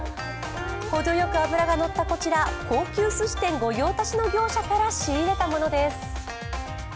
ほどよく脂が乗ったこちら高級寿司店御用達の業者から仕入れたものです。